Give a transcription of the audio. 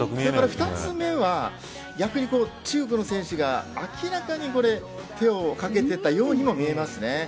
２つ目は逆に中国の選手が明らかに手をかけていたようにも見えますね。